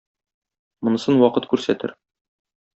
Монысын вакыт күрсәтер.